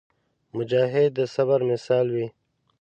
مجاهد د صبر مثال وي.